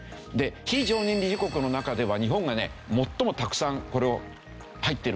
非常任理事国の中では日本がね最もたくさんこれを入ってるんですよ。